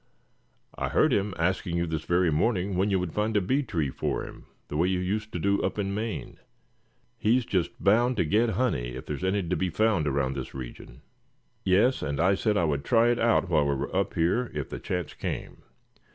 I heard him asking you this very morning when you would find a bee tree for him, the way you used to do up in Maine. He's just bound to get honey, if there's any to be found around this region." "Yes, and I said I would try it out while we were up here, if the chance came.